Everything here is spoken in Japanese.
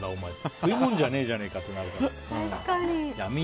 食い物じゃねえじゃねえかってなるから。